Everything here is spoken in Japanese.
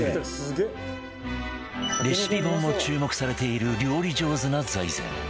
レシピ本も注目されている料理上手な財前